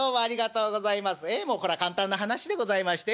ええもうこら簡単な話でございまして